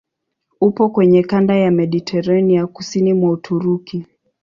Upo kwenye kanda ya Mediteranea kusini mwa Uturuki.